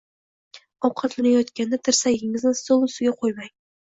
Ovqatlanayotganda tirsagingizni stol ustiga qo‘ymang.